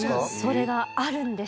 それがあるんです。